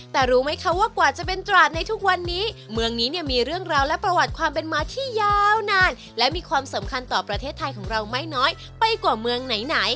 แต่รู้ไหมคะว่ากว่าจะเป็นตราดในทุกวันนี้เมืองนี้เนี่ยมีเรื่องราวและประวัติความเป็นมาที่ยาวนานและมีความสำคัญต่อประเทศไทยของเราไม่น้อยไปกว่าเมืองไหน